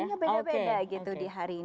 rasanya beda beda gitu di hari ini